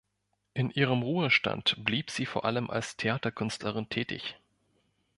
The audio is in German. In ihrem Ruhestand blieb sie vor allem als Theaterkünstlerin tätig.